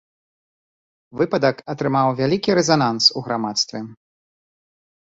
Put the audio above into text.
Выпадак атрымаў вялікі рэзананс у грамадстве.